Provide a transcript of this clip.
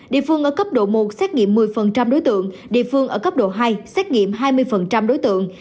địa phương ở cấp độ một xét nghiệm một mươi đối tượng địa phương ở cấp độ hai xét nghiệm hai mươi đối tượng